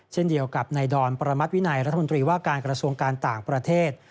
เช่นเดียวกับในดอนประมัติวินัยรัฐมนตรีว่าการกระทรวงการต่างประเทศ